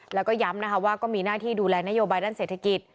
แล้วก็ย้ำนะคะว่าก็มีหน้าที่ดูแลนโยบายด้านเศรษฐกิจ